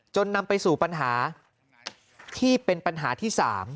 นำไปสู่ปัญหาที่เป็นปัญหาที่๓